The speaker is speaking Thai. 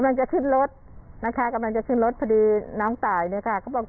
นี่แหละครับ